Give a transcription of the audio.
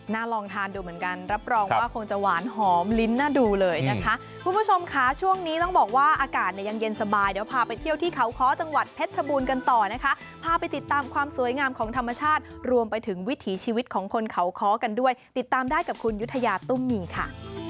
ลองทานดูเหมือนกันรับรองว่าคงจะหวานหอมลิ้นน่าดูเลยนะคะคุณผู้ชมค่ะช่วงนี้ต้องบอกว่าอากาศเนี่ยยังเย็นสบายเดี๋ยวพาไปเที่ยวที่เขาค้อจังหวัดเพชรชบูรณ์กันต่อนะคะพาไปติดตามความสวยงามของธรรมชาติรวมไปถึงวิถีชีวิตของคนเขาค้อกันด้วยติดตามได้กับคุณยุธยาตุ้มมีค่ะ